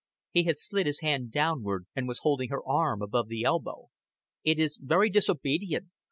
He had slid his hand downward, and was holding her arm above the elbow. "It is very disobedient.